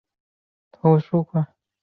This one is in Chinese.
小方竹为禾本科方竹属下的一个种。